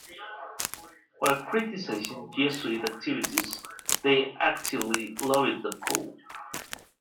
While criticizing Jesuit activities, they actively lobbied the Pope.